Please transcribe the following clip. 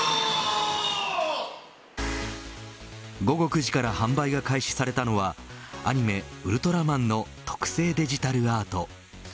午後９時から販売が開始されたのはアニメＵＬＴＲＡＭＡＮの特製デジタルアート。